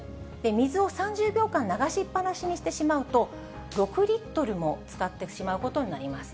水を３０秒間流しっ放しにしてしまうと、６リットルも使ってしまうことになります。